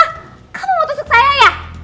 aku mau tusuk saya ya